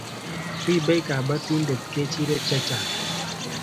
Ripei kabatindet kechirek che chang